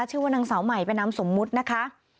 ชื่อว่านางสาวใหม่เป็นนามสมมุตินะคะ